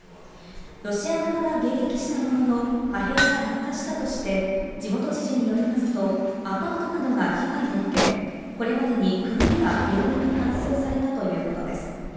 ロシア側が迎撃したものの、破片が落下したとして、地元知事によりますと、アパートなどが被害を受け、これまでに９人が病院に搬送されたということです。